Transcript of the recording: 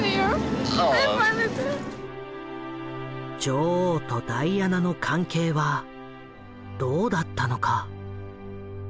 女王とダイアナの関係はどうだったのか？